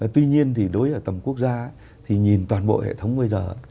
tuy nhiên thì đối với ở tầm quốc gia thì nhìn toàn bộ hệ thống bây giờ